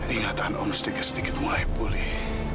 ingatan om sedikit sedikit mulai pulih